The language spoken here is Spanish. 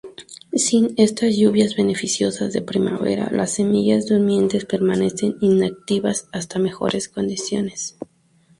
Sin estas lluvias beneficiosas de primavera, las semillas durmientes permanecen inactivas hasta mejores condiciones.